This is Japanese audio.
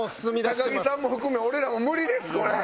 高木さんも含め俺らも無理ですこれ！